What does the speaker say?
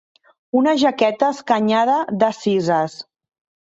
Una jaqueta escanyada de cises.